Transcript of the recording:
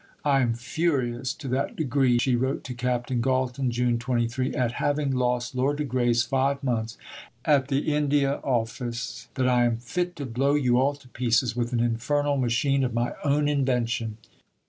"I am furious to that degree," she wrote to Captain Galton (June 23), "at having lost Lord de Grey's five months at the India Office that I am fit to blow you all to pieces with an infernal machine of my own invention."